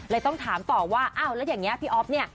ต้องถามต่อว่าอ้าวแล้วอย่างนี้พี่อ๊อฟเนี่ย